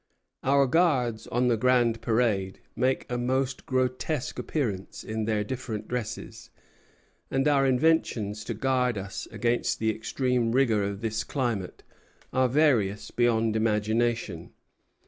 "Our guards on the grand parade make a most grotesque appearance in their different dresses; and our inventions to guard us against the extreme rigor of this climate are various beyond imagination.